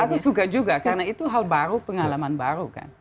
tapi suka juga karena itu hal baru pengalaman baru kan